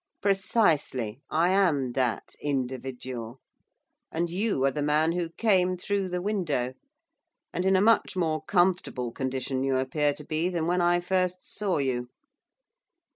'Precisely. I am that individual. And you are the man who came through the window. And in a much more comfortable condition you appear to be than when first I saw you.